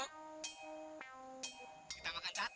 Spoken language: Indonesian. kita makan sate